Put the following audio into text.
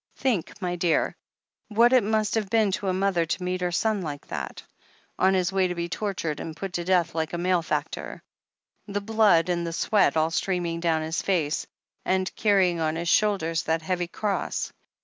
"Think, my dear, what it must have been to a mother to meet her son like that. On His way to be tortured and put to death like a malefactor, the blood and the sweat all streaming down His face, and carrying on His shoulders that heavy Cross.